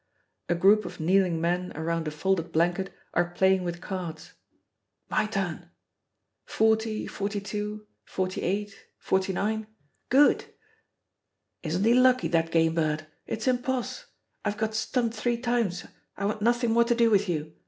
A group of kneeling men around a folded blanket are playing with cards "My turn!" "40, 42 48 49! Good!" "Isn't he lucky, that game bird; it's imposs', I've got stumped three times I want nothing more to do with you.